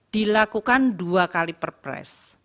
dilakukan dua kali perpres